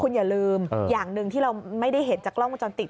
คุณอย่าลืมอย่างหนึ่งที่เราไม่ได้เห็นจากกล้องวงจรปิด